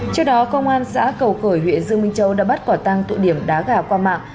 trước đó công an xã cầu khởi huyện dương minh châu đã bắt quả tăng tụ điểm đá gà qua mạng